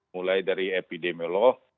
mulai dari epidemiolog